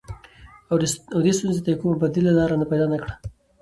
او دې ستونزې ته يې کومه بديله لاره پيدا نه کړه.